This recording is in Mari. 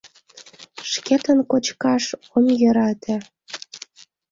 — Шкетын кочкаш ом йӧрате.